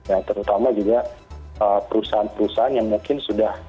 ya terutama juga perusahaan perusahaan yang mungkin sudah